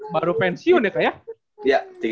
baru pensiun ya kak ya